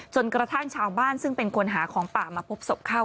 จนกระทั่งชาวบ้านซึ่งเป็นคนหาของป่ามาพบศพเข้า